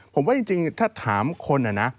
ผมว่าจริงถ้าถามคนนะ